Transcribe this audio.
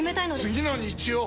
次の日曜！